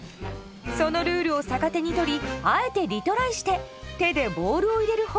そのルールを逆手にとりあえてリトライして手でボールを入れる方法を考えついたのです。